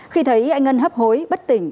khi thấy anh ân hấp hối bất tỉnh